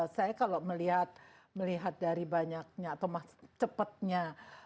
saya kalau melihat dari banyaknya atau cepatnya